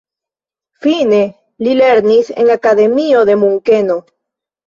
Fine li lernis en akademio de Munkeno.